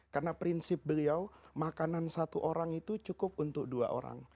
karena prinsip beliau makanan satu orang itu cukup untuk dua orang